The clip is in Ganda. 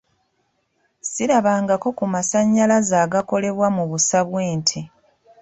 Sirabangako ku masannyalaze agakolebwa mu busa bw'ente.